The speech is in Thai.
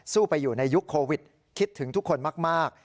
ไปอยู่ในยุคโควิดคิดถึงทุกคนมาก